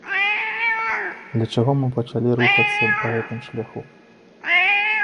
Для чаго мы пачалі рухацца па гэтым шляху?